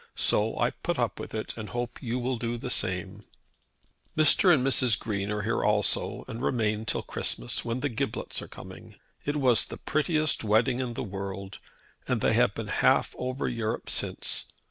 So I put up with it, and I hope you will do the same. "Mr. and Mrs. Green are here also, and remain till Christmas when the Giblets are coming. It was the prettiest wedding in the world, and they have been half over Europe since.